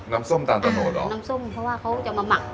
น้ำส้มต่างตะโนเหรอน้ำส้มเพราะว่าเขาจะมาหมัก